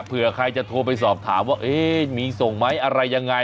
เผื่อใครจะโทรไปสอบถามว่ามีส่งไหมอะไรยังไง